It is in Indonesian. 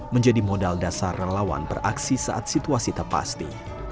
menjadi modal dasar relawan beraksi saat situasi terpasti